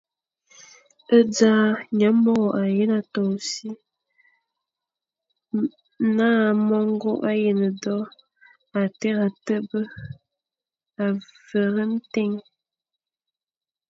E dza, nyamôro â yén a toʼo ô si, na mongo a yén do, â téré a tebe a vere ntén.